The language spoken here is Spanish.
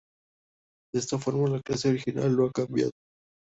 De esta forma, la clase original no ha cambiado.